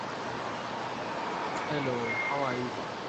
On our last day we just strolled around the city admiring its beauty.